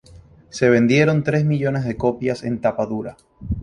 Se vendieron tres millones de copias en tapa dura.